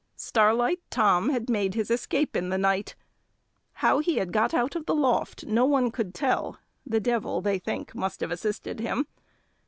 Starlight Tom had made his escape in the night; how he had got out of the loft no one could tell; the devil, they think, must have assisted him.